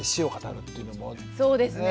そうですね。